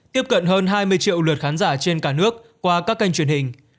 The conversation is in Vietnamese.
tiếp cận hơn hai mươi triệu lượt khán giả trên cả nước qua các kênh truyền hình